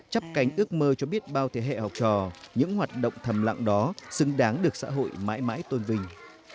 chấp cánh ước mơ cho biết bao thế hệ học trò những hoạt động thầm lặng đó xứng đáng được xã hội mãi mãi tôn vinh